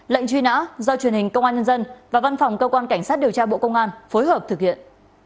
lệnh truy nã do truyền hình công an nhân dân và văn phòng cơ quan cảnh sát điều tra bộ công an phối hợp thực hiện